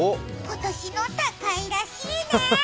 今年の高いらしいね！